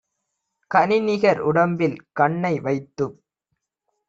கனிநிகர் உடம்பில் கண்ணை வைத்துப்